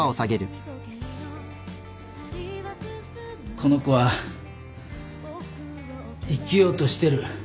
この子は生きようとしてる。